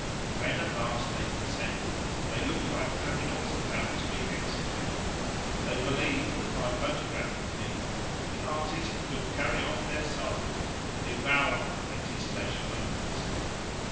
When at last they consented, they looked like criminals about to be executed. They believed that by photographing people the artist could carry off their souls and devour them at his leisure moments.